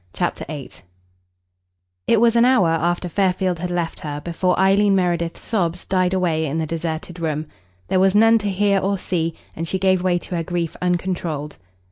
CHAPTER VIII It was an hour after Fairfield had left her before Eileen Meredith's sobs died away in the deserted room. There was none to hear or see, and she gave way to her grief uncontrolled.